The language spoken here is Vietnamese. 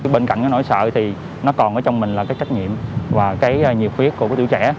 bên cạnh nỗi sợ thì nó còn trong mình là trách nhiệm và nhiệt huyết của tiểu trẻ